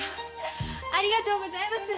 ありがとうございます。